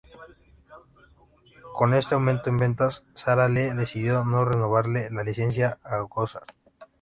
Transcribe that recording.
Con este aumento en ventas, Sara Lee decidió no renovarle la licencia a Gossard.